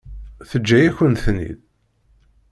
Teǧǧa-yakent-ten-id?